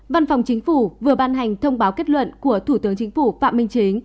văn phòng chính phủ vừa ban hành thông báo kết luận của thủ tướng chính phủ phạm minh chính